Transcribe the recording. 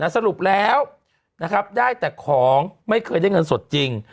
สรุปแล้วนะครับได้แต่ของไม่เคยได้เงินสดจริง